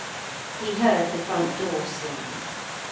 He heard the front door slam.